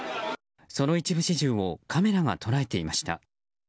その一部始終をカメラが捉えていました。